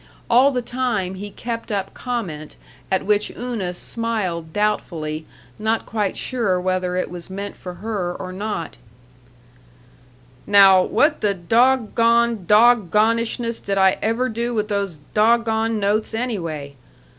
All the time he kept up comment at which Una smiled doubtfully, not quite sure whether it was meant for her or not: "Now what the doggone doggonishness did I ever do with those doggone notes, anyway?